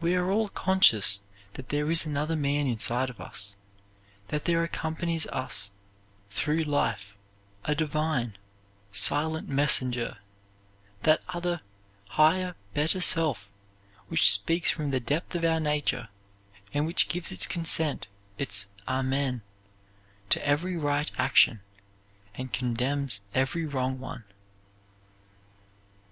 We are all conscious that there is another man inside of us, that there accompanies us through life a divine, silent messenger, that other, higher, better self, which speaks from the depths of our nature and which gives its consent, its "amen" to every right action, and condemns every wrong one.